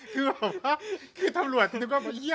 คือตำรวจเหี้ย